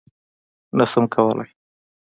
_نه شم کولای.